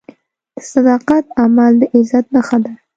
د صداقت عمل د عزت نښه ده.